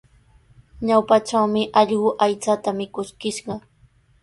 Ñawpatrawmi allqu aychata mikuskishqa.